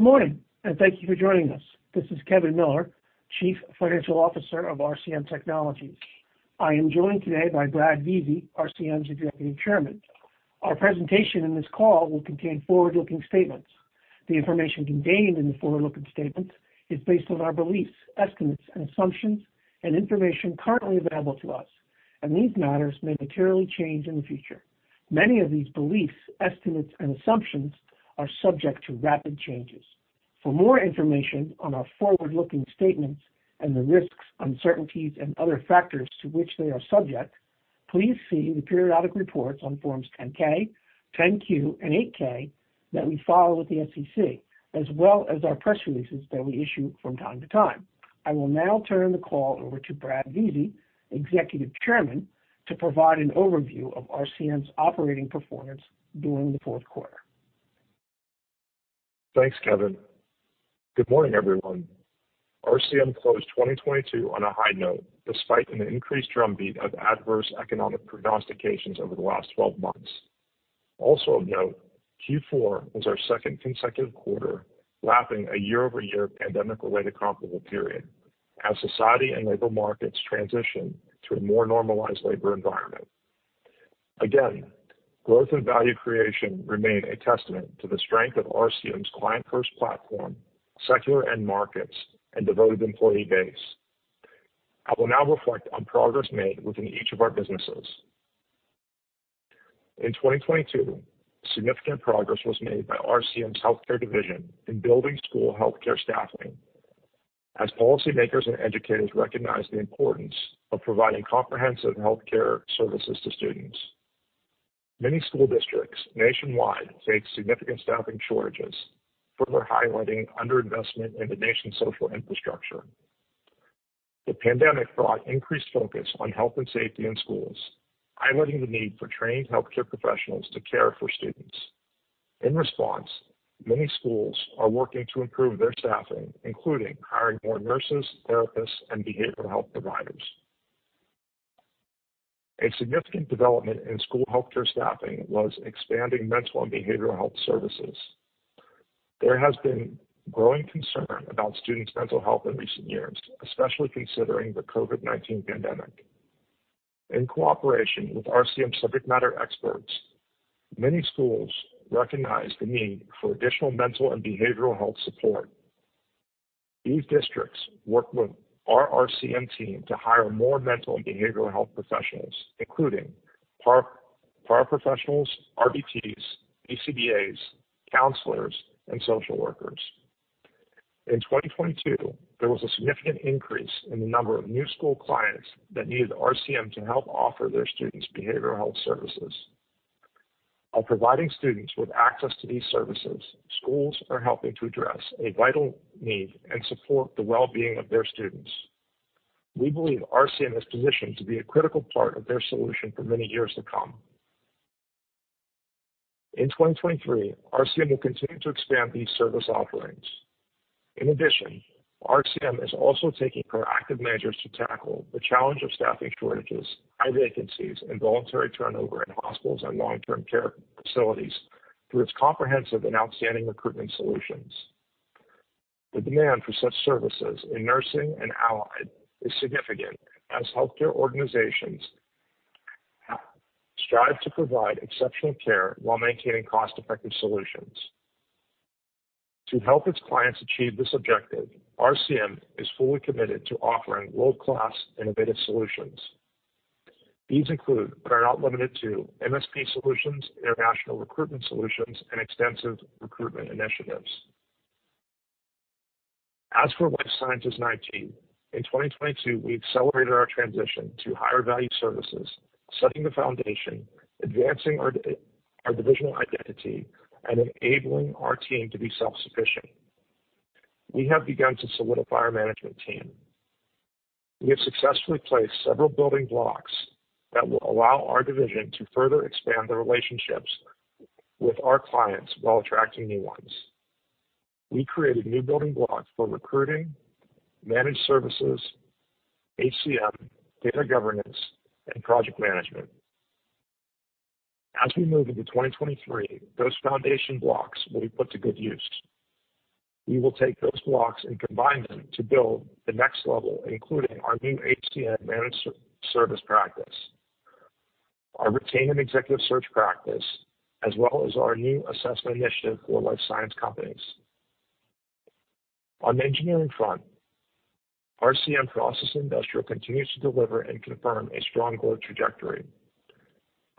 Good morning, and thank you for joining us. This is Kevin Miller, Chief Financial Officer of RCM Technologies. I am joined today by Brad Vizi, RCM's Executive Chairman. Our presentation in this call will contain forward-looking statements. The information contained in the forward-looking statements is based on our beliefs, estimates, and assumptions, and information currently available to us, and these matters may materially change in the future. Many of these beliefs, estimates, and assumptions are subject to rapid changes. For more information on our forward-looking statements and the risks, uncertainties, and other factors to which they are subject, please see the periodic reports on forms 10-K, 10-Q, and 8-K that we file with the SEC, as well as our press releases that we issue from time to time. I will now turn the call over to Brad Vizi, Executive Chairman, to provide an overview of RCM's operating performance during the fourth quarter. Thanks, Kevin. Good morning, everyone. RCM closed 2022 on a high note, despite an increased drumbeat of adverse economic prognostications over the last 12 months. Also of note, Q4 was our second consecutive quarter lapping a year-over-year pandemic-related comparable period as society and labor markets transition to a more normalized labor environment. Again, growth and value creation remain a testament to the strength of RCM's client-first platform, secular end markets, and devoted employee base. I will now reflect on progress made within each of our businesses. In 2022, significant progress was made by RCM's Healthcare division in building school healthcare staffing as policymakers and educators recognize the importance of providing comprehensive healthcare services to students. Many school districts nationwide face significant staffing shortages, further highlighting under-investment in the nation's social infrastructure. The pandemic brought increased focus on health and safety in schools, highlighting the need for trained healthcare professionals to care for students. In response, many schools are working to improve their staffing, including hiring more nurses, therapists, and behavioral health providers. A significant development in school healthcare staffing was expanding mental and behavioral health services. There has been growing concern about students' mental health in recent years, especially considering the COVID-19 pandemic. In cooperation with RCM subject matter experts, many schools recognize the need for additional mental and behavioral health support. These districts work with our RCM team to hire more mental and behavioral health professionals, including paraprofessionals, RBTs, BCBAs, counselors, and social workers. In 2022, there was a significant increase in the number of new school clients that needed RCM to help offer their students behavioral health services. While providing students with access to these services, schools are helping to address a vital need and support the well-being of their students. We believe RCM is positioned to be a critical part of their solution for many years to come. In 2023, RCM will continue to expand these service offerings. In addition, RCM is also taking proactive measures to tackle the challenge of staffing shortages, high vacancies, and voluntary turnover in hospitals and long-term care facilities through its comprehensive and outstanding recruitment solutions. The demand for such services in nursing and allied is significant as healthcare organizations strive to provide exceptional care while maintaining cost-effective solutions. To help its clients achieve this objective, RCM is fully committed to offering world-class innovative solutions. These include, but are not limited to MSP solutions, international recruitment solutions, and extensive recruitment initiatives. For Life Sciences and IT, in 2022, we accelerated our transition to higher-value services, setting the foundation, advancing our divisional identity, and enabling our team to be self-sufficient. We have begun to solidify our management team. We have successfully placed several building blocks that will allow our division to further expand the relationships with our clients while attracting new ones. We created new building blocks for recruiting, managed services, HCM, data governance, and project management. As we move into 2023, those foundation blocks will be put to good use. We will take those blocks and combine them to build the next level, including our new HCM managed service practice, our retained and executive search practice, as well as our new assessment initiative for life science companies. On the engineering front, RCM Process & Industrial continues to deliver and confirm a strong growth trajectory.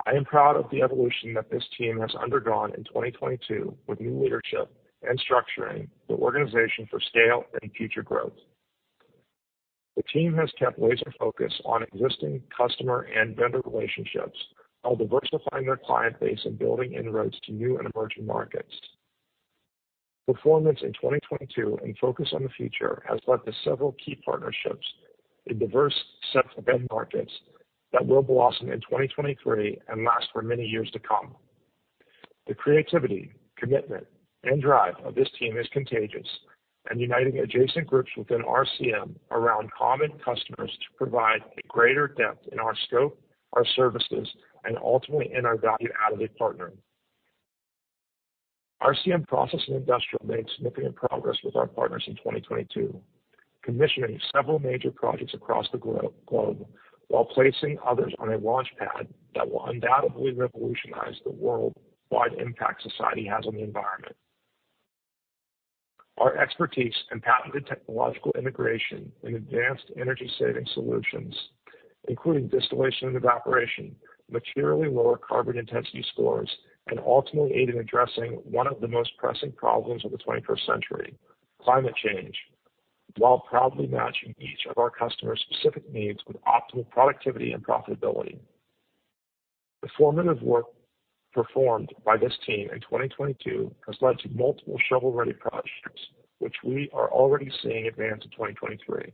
I am proud of the evolution that this team has undergone in 2022 with new leadership and structuring the organization for scale and future growth. The team has kept laser focus on existing customer and vendor relationships while diversifying their client base and building inroads to new and emerging markets. Performance in 2022 and focus on the future has led to several key partnerships, a diverse set of end markets that will blossom in 2023 and last for many years to come. The creativity, commitment, and drive of this team is contagious. Uniting adjacent groups within RCM around common customers to provide a greater depth in our scope, our services, and ultimately, in our value add as a partner. RCM Process & Industrial made significant progress with our partners in 2022, commissioning several major projects across the globe while placing others on a launch pad that will undoubtedly revolutionize the worldwide impact society has on the environment. Our expertise and patented technological integration in advanced energy saving solutions, including distillation and evaporation, materially lower carbon intensity scores, and ultimately aid in addressing one of the most pressing problems of the twenty-first century, climate change, while proudly matching each of our customers specific needs with optimal productivity and profitability. The formative work performed by this team in 2022 has led to multiple shovel-ready projects which we are already seeing advance in 2023.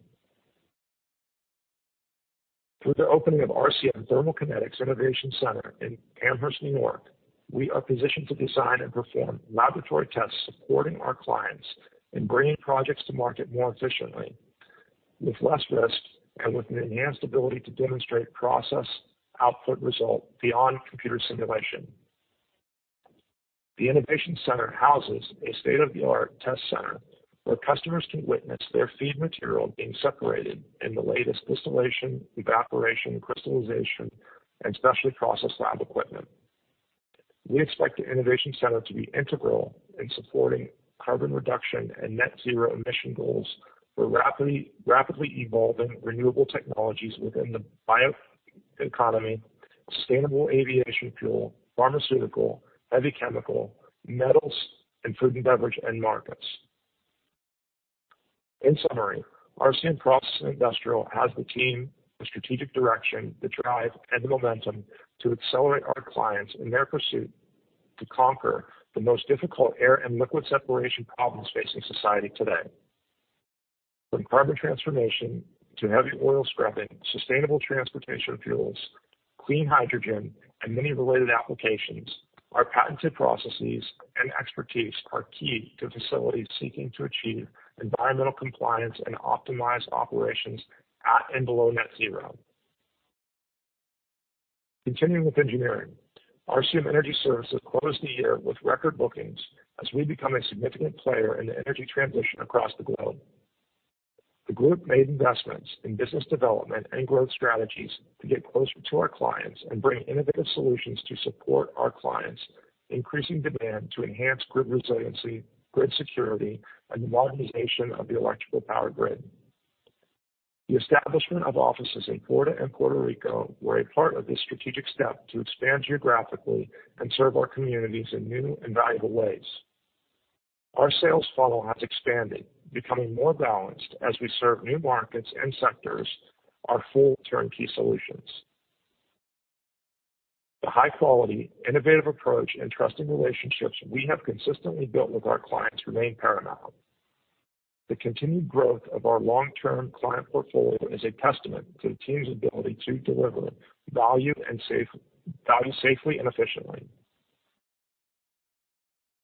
Through the opening of RCM Thermal Kinetics Innovation Center in Amherst, New York, we are positioned to design and perform laboratory tests supporting our clients in bringing projects to market more efficiently, with less risk, and with an enhanced ability to demonstrate process output result beyond computer simulation. The innovation center houses a state-of-the-art test center where customers can witness their feed material being separated in the latest distillation, evaporation, crystallization, and specialty process lab equipment. We expect the innovation center to be integral in supporting carbon reduction and net zero emission goals for rapidly evolving renewable technologies within the bioeconomy, sustainable aviation fuel, pharmaceutical, heavy chemical, metals, and food and beverage end markets. In summary, RCM Process & Industrial has the team, the strategic direction, the drive, and the momentum to accelerate our clients in their pursuit to conquer the most difficult air and liquid separation problems facing society today. From carbon transformation to heavy oil scrapping, sustainable transportation fuels, clean hydrogen, and many related applications, our patented processes and expertise are key to facilities seeking to achieve environmental compliance and optimize operations at and below net zero. Continuing with engineering, RCM Energy Services closed the year with record bookings as we become a significant player in the energy transition across the globe. The group made investments in business development and growth strategies to get closer to our clients and bring innovative solutions to support our clients increasing demand to enhance grid resiliency, grid security, and modernization of the electrical power grid. The establishment of offices in Florida and Puerto Rico were a part of this strategic step to expand geographically and serve our communities in new and valuable ways. Our sales funnel has expanded, becoming more balanced as we serve new markets and sectors our full turnkey solutions. The high quality, innovative approach, and trusted relationships we have consistently built with our clients remain paramount. The continued growth of our long-term client portfolio is a testament to the team's ability to deliver value safely and efficiently.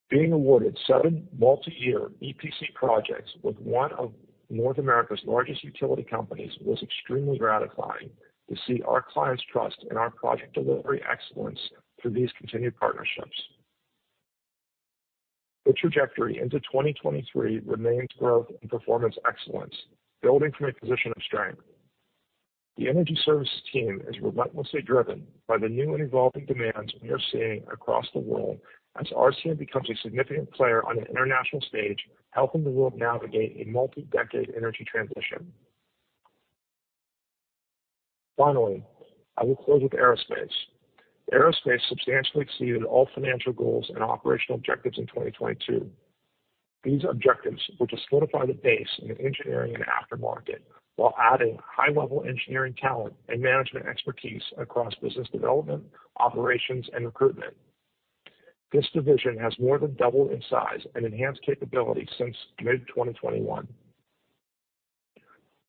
Being awarded seven multi-year EPC projects with one of North America's largest utility companies was extremely gratifying to see our clients trust in our project delivery excellence through these continued partnerships. The trajectory into 2023 remains growth and performance excellence, building from a position of strength. The energy services team is relentlessly driven by the new and evolving demands we are seeing across the world as RCM becomes a significant player on an international stage, helping the world navigate a multi-decade energy transition. I will close with aerospace. Aerospace substantially exceeded all financial goals and operational objectives in 2022. These objectives were to solidify the base in the engineering and aftermarket while adding high-level engineering talent and management expertise across business development, operations, and recruitment. This division has more than doubled in size and enhanced capabilities since mid-2021.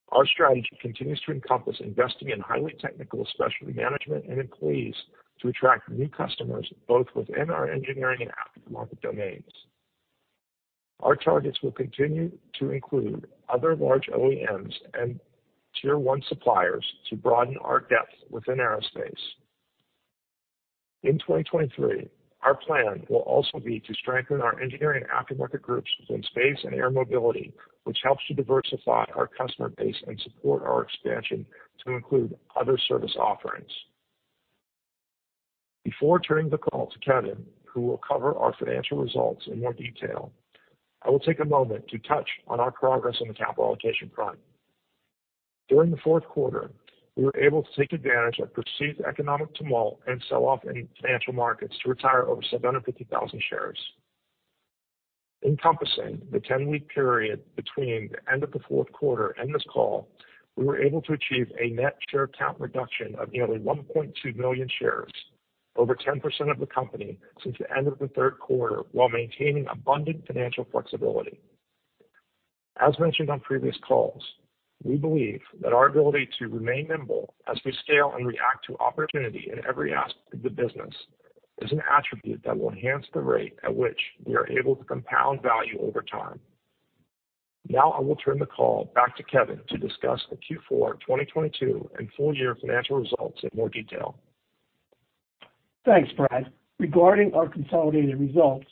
Our strategy continues to encompass investing in highly technical specialty management and employees to attract new customers, both within our engineering and aftermarket domains. Our targets will continue to include other large OEMs and tier one suppliers to broaden our depth within aerospace. In 2023, our plan will also be to strengthen our engineering aftermarket groups within space and air mobility, which helps to diversify our customer base and support our expansion to include other service offerings. Before turning the call to Kevin, who will cover our financial results in more detail, I will take a moment to touch on our progress on the capital allocation front. During the fourth quarter, we were able to take advantage of perceived economic tumult and sell-off in financial markets to retire over 750,000 shares. Encompassing the 10-week period between the end of the fourth quarter and this call, we were able to achieve a net share count reduction of nearly 1.2 million shares, over 10% of the company since the end of the third quarter, while maintaining abundant financial flexibility. As mentioned on previous calls. We believe that our ability to remain nimble as we scale and react to opportunity in every aspect of the business is an attribute that will enhance the rate at which we are able to compound value over time. Now, I will turn the call back to Kevin to discuss the Q4, 2022 and full year financial results in more detail. Thanks, Brad. Regarding our consolidated results,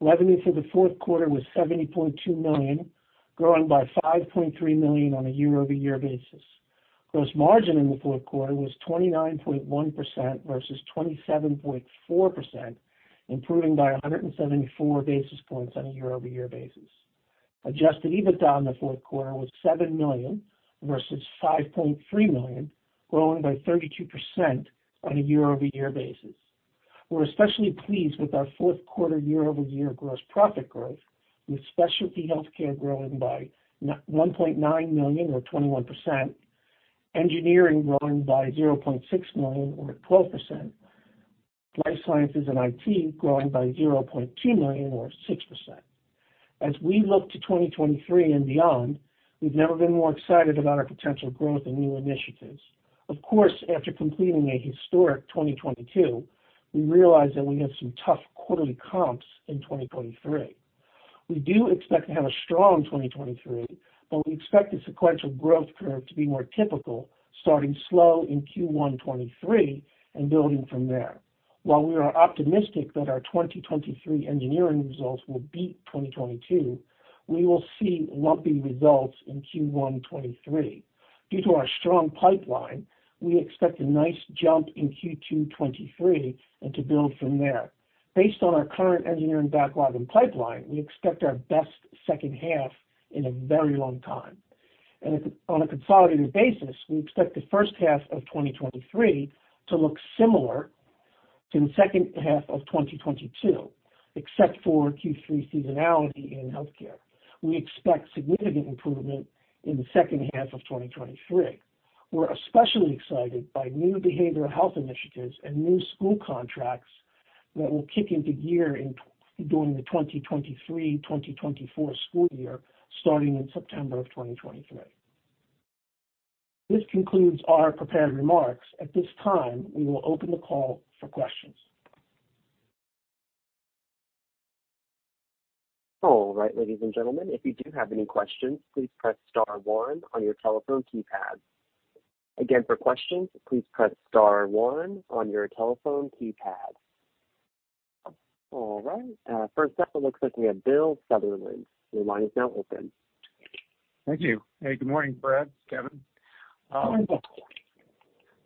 revenue for the fourth quarter was $70.2 million, growing by $5.3 million on a year-over-year basis. Gross margin in the fourth quarter was 29.1% versus 27.4%, improving by 174 basis points on a year-over-year basis. Adjusted EBITDA in the fourth quarter was $7 million versus $5.3 million, growing by 32% on a year-over-year basis. We're especially pleased with our fourth quarter year-over-year gross profit growth, with specialty health care growing by $1.9 million or 21%, engineering growing by $0.6 million or 12%, life sciences and IT growing by $0.2 million or 6%. We look to 2023 and beyond, we've never been more excited about our potential growth and new initiatives. After completing a historic 2022, we realize that we have some tough quarterly comps in 2023. We do expect to have a strong 2023, but we expect the sequential growth curve to be more typical, starting slow in Q1 2023 and building from there. While we are optimistic that our 2023 engineering results will beat 2022, we will see lumpy results in Q1 2023. Due to our strong pipeline, we expect a nice jump in Q2 2023 and to build from there. Based on our current engineering backlog and pipeline, we expect our best second half in a very long time. On a consolidated basis, we expect the first half of 2023 to look similar to the second half of 2022, except for Q3 seasonality in healthcare. We expect significant improvement in the second half of 2023. We're especially excited by new behavioral health initiatives and new school contracts that will kick into gear during the 2023, 2024 school year, starting in September of 2023. This concludes our prepared remarks. At this time, we will open the call for questions. All right, ladies and gentlemen, if you do have any questions, please press star one on your telephone keypad. For questions, please press star one on your telephone keypad. All right, first up, it looks like we have Bill Sutherland. Your line is now open. Thank you. Hey, good morning, Brad, Kevin. Good morning, Bill.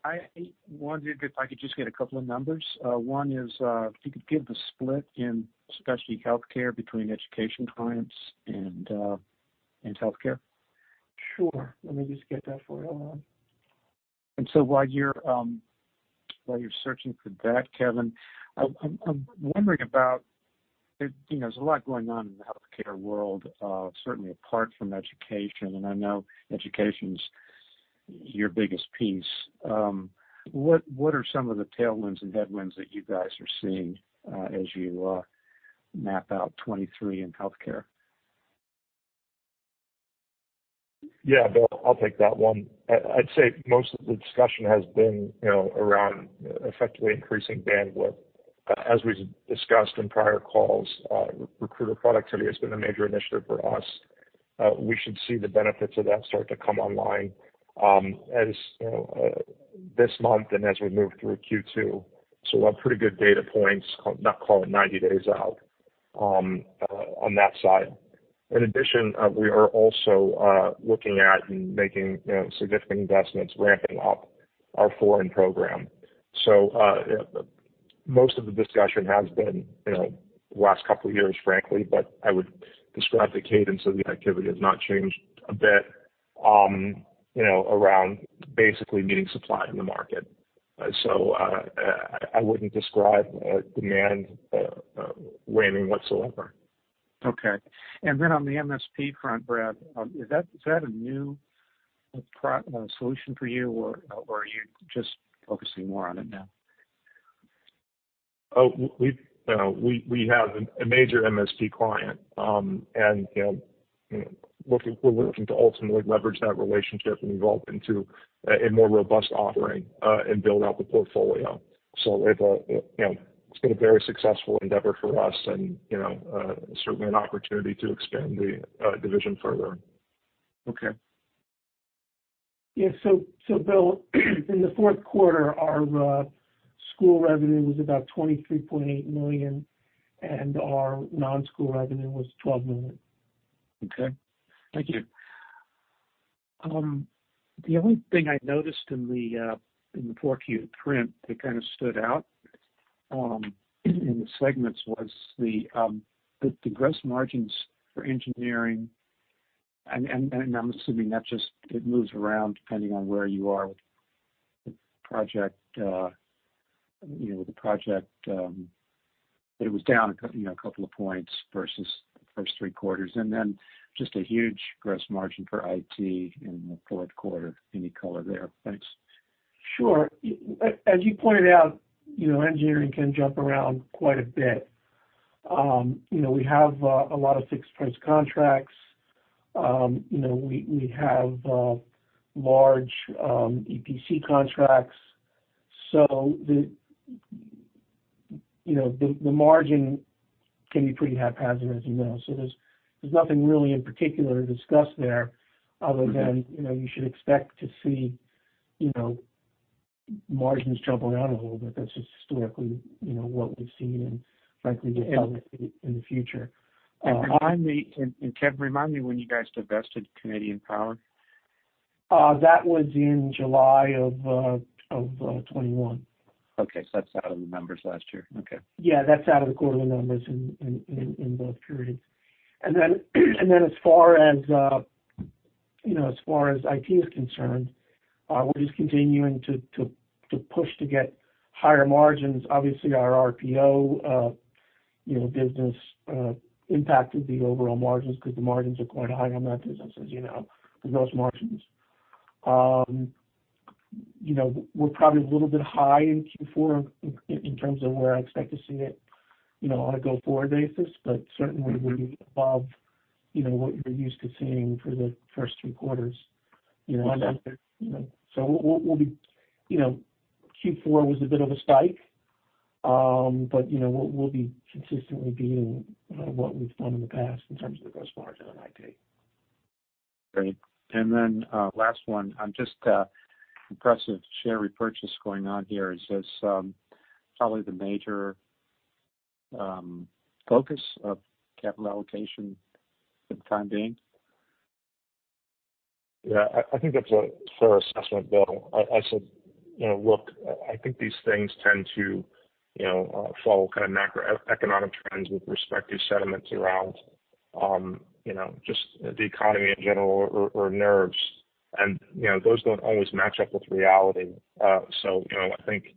I wondered if I could just get a couple of numbers. One is, if you could give the split in specialty health care between education clients and health care. Sure. Let me just get that for you. Hold on. While you're searching for that, Kevin, I'm wondering about, you know, there's a lot going on in the healthcare world, certainly apart from education, and I know education's your biggest piece. What are some of the tailwinds and headwinds that you guys are seeing, as you map out 23 in healthcare? Yeah, Bill, I'll take that one. I'd say most of the discussion has been, you know, around effectively increasing bandwidth. As we've discussed in prior calls, recruiter productivity has been a major initiative for us. We should see the benefits of that start to come online, as this month and as we move through Q2. We'll have pretty good data points, not call it 90 days out, on that side. In addition, we are also looking at and making, you know, significant investments ramping up our foreign program. Most of the discussion has been, you know, the last couple of years, frankly, but I would describe the cadence of the activity has not changed a bit, you know, around basically meeting supply in the market. I wouldn't describe demand waning whatsoever. Okay. On the MSP front, Brad, is that a new solution for you, or are you just focusing more on it now? we have a major MSP client. You know, we're looking to ultimately leverage that relationship and evolve into a more robust offering and build out the portfolio. It, you know, it's been a very successful endeavor for us and, you know, certainly an opportunity to expand the division further. Okay. Yeah. Bill, in the fourth quarter, our school revenue was about $23.8 million, and our non-school revenue was $12 million. Okay. Thank you. The only thing I noticed in the 4Q print that kind of stood out in the segments was the gross margins for engineering. I'm assuming that just it moves around depending on where you are with the project, you know, the project, but it was down a couple of points versus the first three quarters. Just a huge gross margin for IT in the fourth quarter. Any color there? Thanks. Sure. As you pointed out, you know, engineering can jump around quite a bit. you know, we have a lot of fixed-price contracts. you know, we have large EPC contracts. you know, the margin can be pretty haphazard, as you know. There's nothing really in particular to discuss there other than, you know, you should expect to see, you know, margins jumping out a little bit. That's just historically, you know, what we've seen and frankly expect in the future. Kev, remind me when you guys divested Canadian Power. That was in July of 2021. Okay. that's out of the numbers last year. Okay. Yeah, that's out of the quarterly numbers in both periods. Then, as far as, you know, as far as IT is concerned, we're just continuing to push to get higher margins. Obviously, our RPO, you know, business, impacted the overall margins because the margins are quite high on that business, as you know, gross margins. You know, we're probably a little bit high in Q4 in terms of where I expect to see it, you know, on a go-forward basis. Certainly we'll be above, you know, what you're used to seeing for the first three quarters, you know? Understood. You know, Q4 was a bit of a spike. You know, we'll be consistently beating what we've done in the past in terms of the gross margin on IT. Great. Last one. On just, impressive share repurchase going on here. Is this, probably the major, focus of capital allocation for the time being? Yeah. I think that's a fair assessment, Bill. You know, look, I think these things tend to, you know, follow kind of macroeconomic trends with respect to sentiments around, you know, just the economy in general or nerves. You know, those don't always match up with reality. You know, I think,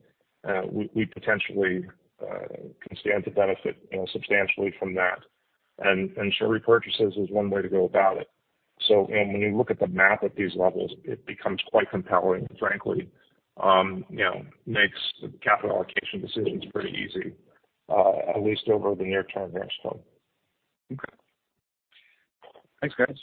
we potentially, can stand to benefit, you know, substantially from that. Share repurchases is one way to go about it. When you look at the math at these levels, it becomes quite compelling, frankly. You know, makes the capital allocation decisions pretty easy, at least over the near term. Okay. Thanks, guys.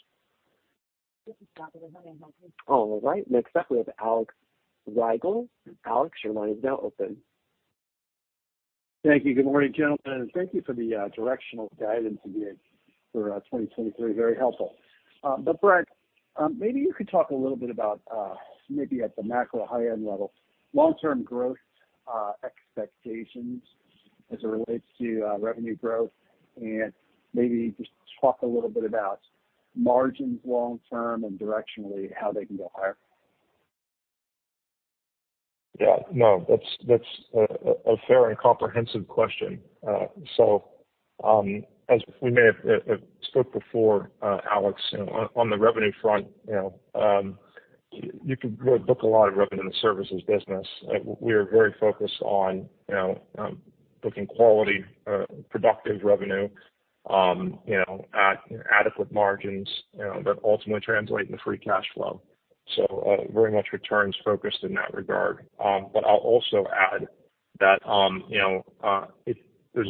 Well,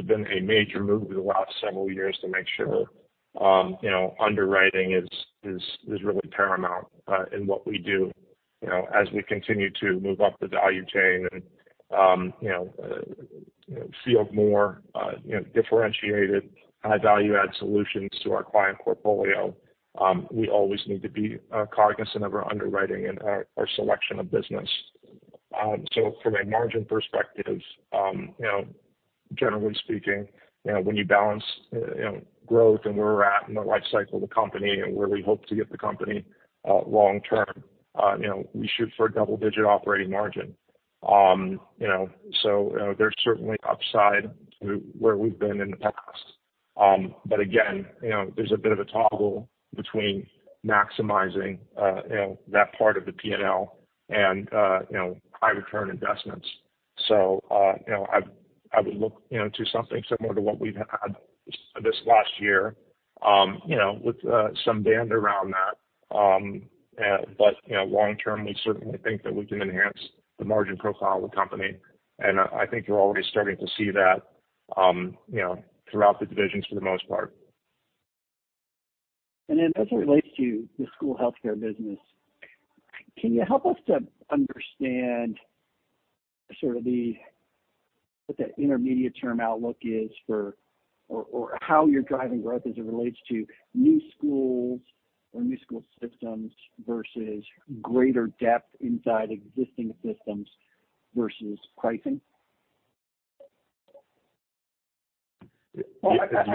I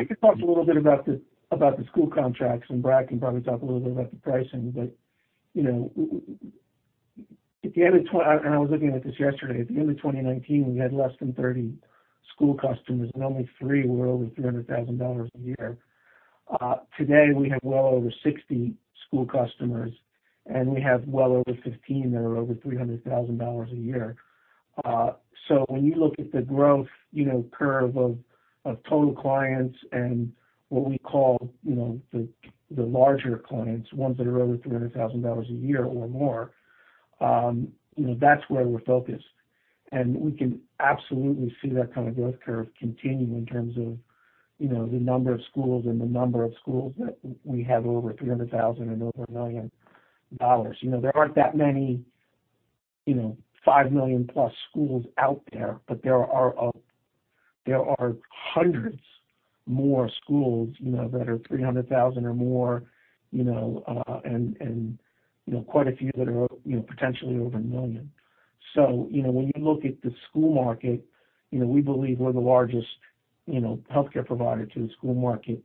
could talk a little bit about the school contracts, and Brad can probably talk a little bit about the pricing. You know, I was looking at this yesterday. At the end of 2019, we had less than 30 school customers, and only 3 were over $300,000 a year. Today, we have well over 60 school customers, and we have well over 15 that are over $300,000 a year. When you look at the growth, you know, curve of total clients and what we call, you know, the larger clients, ones that are over $300,000 a year or more, you know, that's where we're focused. We can absolutely see that kind of growth curve continue in terms of, you know, the number of schools and the number of schools that we have over $300,000 and over $1 million. You know, there aren't that many, you know, $5 million-plus schools out there, but there are hundreds more schools, you know, that are $300,000 or more, you know, and, you know, quite a few that are, you know, potentially over $1 million. You know, when you look at the school market, you know, we believe we're the largest, you know, healthcare provider to the school market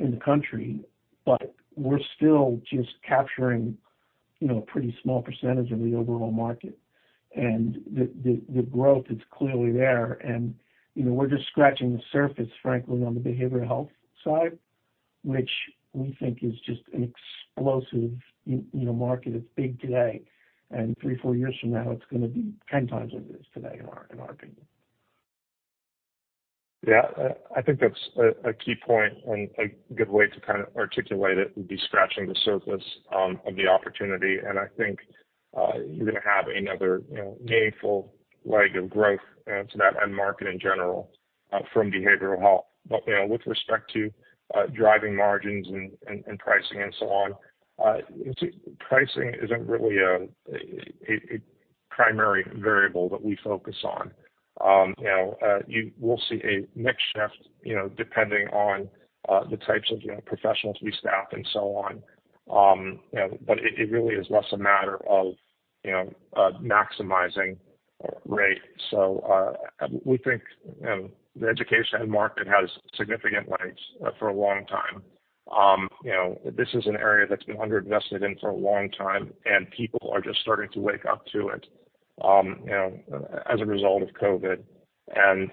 in the country, but we're still just capturing, you know, a pretty small percentage of the overall market. The growth is clearly there. You know, we're just scratching the surface, frankly, on the behavioral health side, which we think is just an explosive, you know, market. It's big today. Three, four years from now, it's gonna be 10 times what it is today, in our opinion. Yeah. I think that's a key point and a good way to kind of articulate it, would be scratching the surface of the opportunity. I think you're gonna have another, you know, meaningful leg of growth to that end market in general from behavioral health. You know, with respect to driving margins and pricing and so on, pricing isn't really a primary variable that we focus on. You know, We'll see a mix shift, you know, depending on the types of, you know, professionals we staff and so on. You know, but it really is less a matter of, you know, maximizing rate. We think, you know, the education end market has significant legs for a long time. You know, this is an area that's been underinvested in for a long time, and people are just starting to wake up to it, you know, as a result of COVID.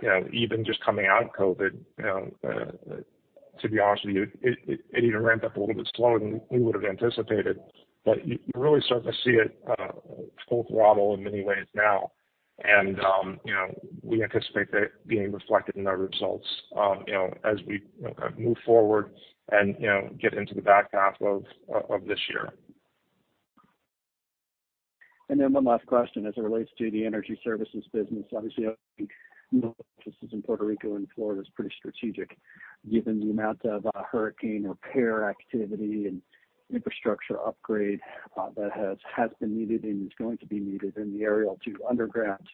You know, even just coming out of COVID, you know, to be honest with you, it even ramped up a little bit slower than we would've anticipated. You're really starting to see it, full throttle in many ways now. You know, we anticipate that being reflected in our results, you know, as we move forward and, you know, get into the back half of this year. One last question as it relates to the Energy Services business. Obviously, offices in Puerto Rico and Florida is pretty strategic given the amount of hurricane repair activity and infrastructure upgrade that has been needed and is going to be needed in the area to underground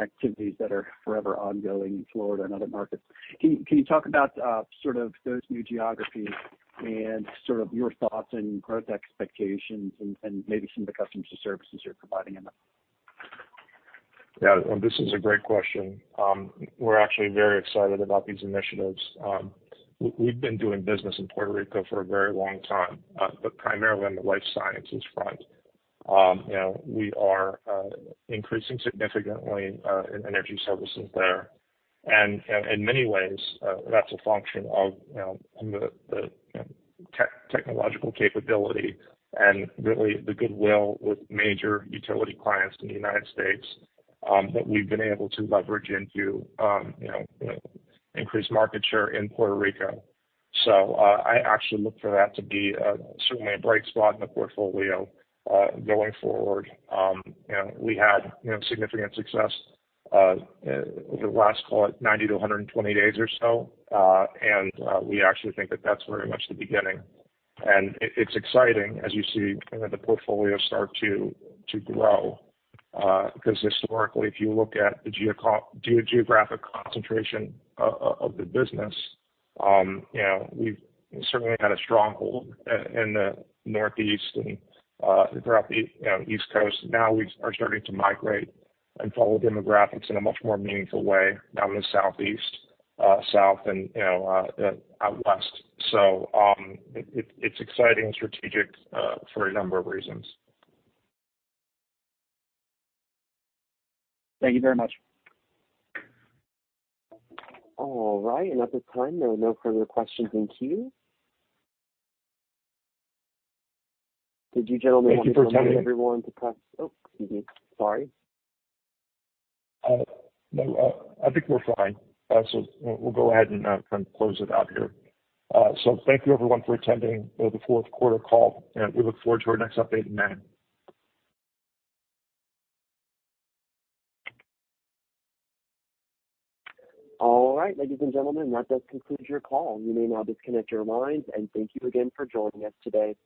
activities that are forever ongoing in Florida and other markets. Can you, can you talk about sort of those new geographies and sort of your thoughts and growth expectations and maybe some of the customers or services you're providing in them? Yeah. This is a great question. We're actually very excited about these initiatives. We've been doing business in Puerto Rico for a very long time, but primarily on the life sciences front. You know, we are increasing significantly in energy services there. In many ways, that's a function of, you know, the technological capability and really the goodwill with major utility clients in the United States, that we've been able to leverage into, you know, increased market share in Puerto Rico. I actually look for that to be certainly a bright spot in the portfolio going forward. You know, we had, you know, significant success over the last, call it 90 to 120 days or so. We actually think that that's very much the beginning. It's exciting as you see, you know, the portfolio start to grow, 'cause historically, if you look at the geographic concentration of the business, you know, we've certainly had a stronghold in the Northeast and throughout the, you know, East Coast. Now we are starting to migrate and follow demographics in a much more meaningful way down in the Southeast, South and, you know, out West. It's exciting strategic for a number of reasons. Thank you very much. All right. At this time, there are no further questions in queue. Did you. Thank you for joining. Want to remind everyone to press... Oh, excuse me. Sorry. No. I think we're fine. We'll go ahead and kind of close it out here. Thank you everyone for attending the fourth quarter call, and we look forward to our next update in May. All right. Ladies and gentlemen, that does conclude your call. You may now disconnect your lines, and thank you again for joining us today.